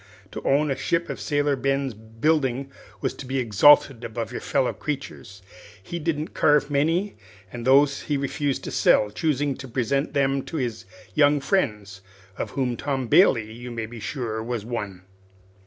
To own a ship of Sailor Ben's building was to be exalted above your fellow creatures. He didn't carve many, and those he refused to sell, choosing to present them to his young friends, of whom Tom Bailey, you may be sure, was one.